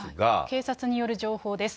警察による情報です。